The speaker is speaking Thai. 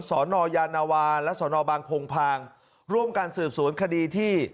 สนยานวาและสนบางพงพางร่วมกันสืบสวนคดีที่